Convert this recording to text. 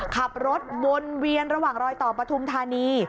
ขับรถวนเวียนระหว่างรอยต่อปฐุมธานี